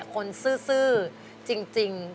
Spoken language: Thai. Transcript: ซื่อจริง